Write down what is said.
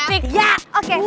bebek gue kenapa ikut ikutan